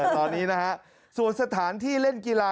ตอนนี้นะฮะส่วนสถานที่เล่นกีฬา